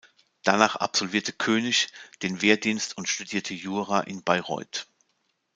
Danach absolvierte König den Wehrdienst und studierte Jura in Bayreuth.